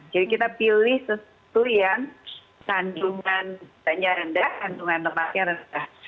jadi kita pilih sesuatu yang kandungan yang rendah kandungan lemaknya yang rendah